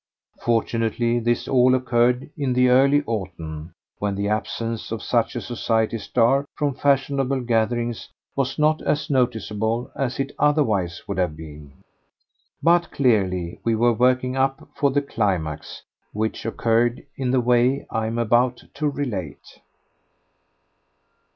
Fortunately this all occurred in the early autumn, when the absence of such a society star from fashionable gatherings was not as noticeable as it otherwise would have been. But clearly we were working up for the climax, which occurred in the way I am about to relate.